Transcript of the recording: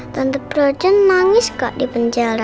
tante frozen nangis gak di penjara